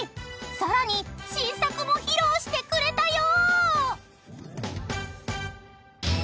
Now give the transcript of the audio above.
さらに新作も披露してくれたよ！］